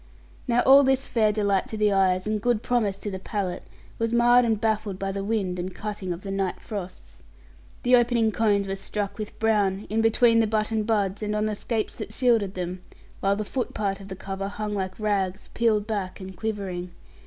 Now all this fair delight to the eyes, and good promise to the palate, was marred and baffled by the wind and cutting of the night frosts. The opening cones were struck with brown, in between the button buds, and on the scapes that shielded them; while the foot part of the cover hung like rags, peeled back, and quivering.